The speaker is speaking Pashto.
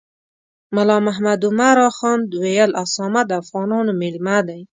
ملا محمد عمر اخند ویل اسامه د افغانانو میلمه دی.